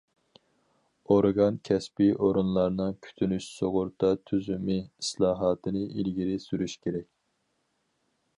ئورگان، كەسپىي ئورۇنلارنىڭ كۈتۈنۈش سۇغۇرتا تۈزۈمى ئىسلاھاتىنى ئىلگىرى سۈرۈش كېرەك.